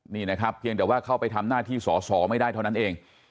นี่นะครับเพียงแต่ว่าเข้าไปทำหน้าที่สอสอไม่ได้เท่านั้นเอง